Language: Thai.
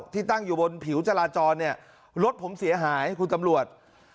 ที่ตั้งอยู่บนผิวจราจรเนี่ยรถผมเสียหายคุณตำรวจ